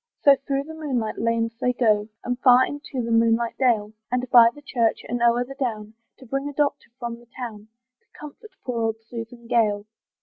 So through the moonlight lanes they go, And far into the moonlight dale, And by the church, and o'er the down, To bring a doctor from the town, To comfort poor old Susan Gale.